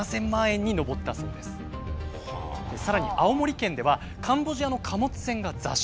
なんとさらに青森県ではカンボジアの貨物船が座礁。